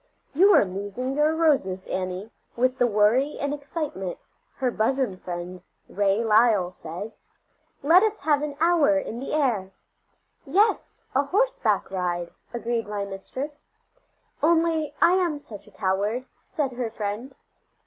"You are losing your roses, Annie, with the worry and excitement," her bosom friend, Ray Lyle, said; "let us have an hour in the air." "Yes, a horseback ride," agreed my mistress. "Only I am such a coward," said her friend.